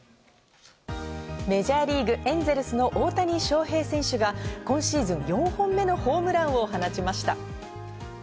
メジャーリーグ、エンゼルスの大谷翔平選手が今シーズン４本目のホームランを放ちました。